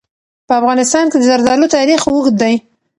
په افغانستان کې د زردالو تاریخ اوږد دی.